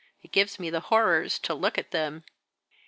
It gives me the horrors to look at them."